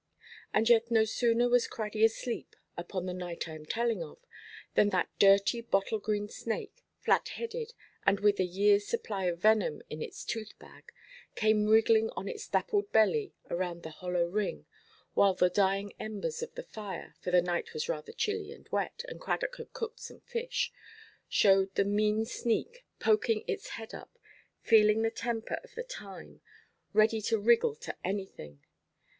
And yet no sooner was Craddy asleep, upon the night I am telling of, than that dirty bottle–green snake, flat–headed, and with a yearʼs supply of venom in its tooth–bag, came wriggling on its dappled belly around the hollow ring, while the dying embers of the fire—for the night was rather chilly and wet, and Cradock had cooked some fish—showed the mean sneak, poking its head up, feeling the temper of the time, ready to wriggle to anything.